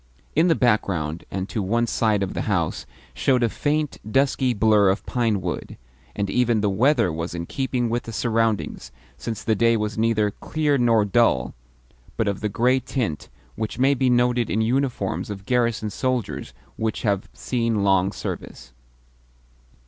In the background, and to one side of the house, showed a faint, dusky blur of pinewood, and even the weather was in keeping with the surroundings, since the day was neither clear nor dull, but of the grey tint which may be noted in uniforms of garrison soldiers which have seen long service.